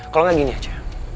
kalau gak gini aja